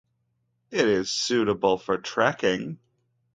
It is suitable for trekking.